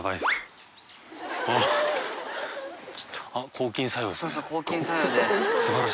抗菌作用ですね。